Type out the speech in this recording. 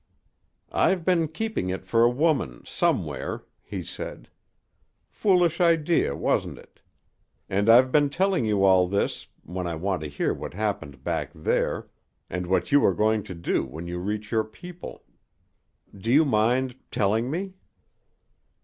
"I've been keeping it for a woman somewhere," he said. "Foolish idea, wasn't it? And I've been telling you all this, when I want to hear what happened back there, and what you are going to do when you reach your people. Do you mind telling me?"